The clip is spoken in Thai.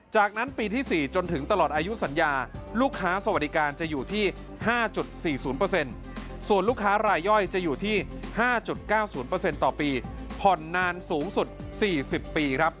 จากนั้นปีที่๔จนถึงตลอดอายุสัญญาลูกค้าสวัสดิการจะอยู่ที่๕๔๐ส่วนลูกค้ารายย่อยจะอยู่ที่๕๙๐ต่อปีผ่อนนานสูงสุด๔๐ปีครับ